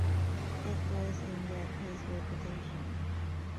It was in that his reputation as a slugger began to take hold.